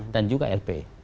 dan juga lp